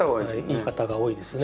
いい方が多いですね。